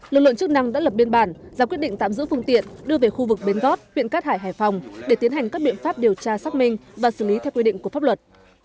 lực lượng chức năng đã lập biên bản ra quyết định tạm giữ phương tiện đưa về khu vực bến gót huyện cát hải hải phòng để tiến hành các biện pháp điều tra xác minh và xử lý theo quy định của pháp luật